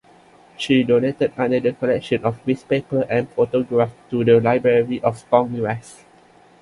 She donated another collection of Riis papers and photographs to the Library of Congress.